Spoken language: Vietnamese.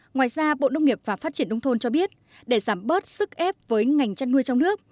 ngoài ra bộ nông nghiệp và phát triển nông thôn cho biết để giảm bớt sức ép với ngành chăn nuôi trong nước